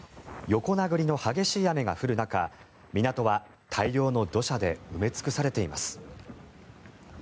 横殴りの激しい雨が降る中港は大量の土砂で埋め尽くされています。